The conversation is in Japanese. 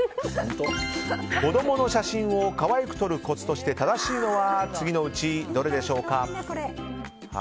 子供の写真を可愛く撮るコツとして正しいのは次のうちどれでしょうか？